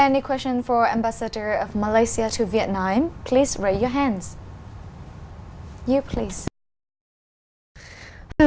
nếu quý vị có những câu hỏi về quý vị là quý vị là quý vị là quý vị là quý vị là quý vị là quý vị